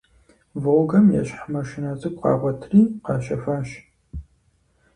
«Волгэм» ещхь маршынэ цӀыкӀу къагъуэтри къащэхуащ.